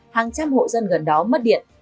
hàng trăm hộ dân gần đó mất điện